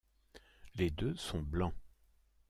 Les deux sont blancs.